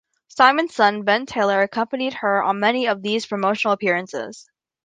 Simon's son, Ben Taylor, accompanied her on many of these promotional appearances.